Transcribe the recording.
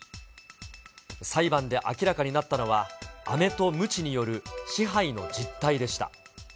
裁判で明らかになったのは、あめとむちによる支配の実態でした。